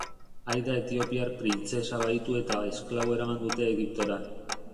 Aida etiopiar printzesa bahitu eta esklabo eraman dute Egiptora.